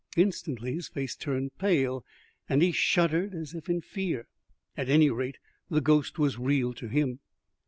Instantly his face turned pale, and he shuddered as if in fear. At any rate, the ghost was real to him.